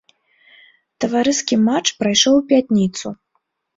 Таварыскі матч прайшоў у пятніцу.